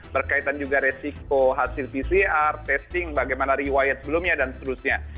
berkaitan juga resiko hasil pcr testing bagaimana riwayat sebelumnya dan seterusnya